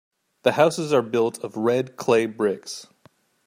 The houses are built of red clay bricks.